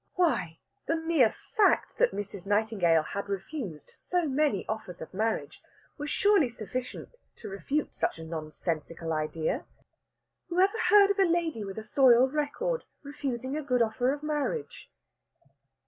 Why, the mere fact that Mrs. Nightingale had refused so many offers of marriage was surely sufficient to refute such a nonsensical idea! Who ever heard of a lady with a soiled record refusing a good offer of marriage?